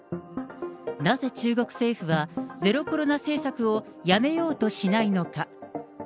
なぜ中国政府は、ゼロコロナ政策をやめようとしないのか。